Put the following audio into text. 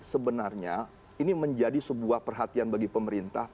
sebenarnya ini menjadi sebuah perhatian bagi pemerintah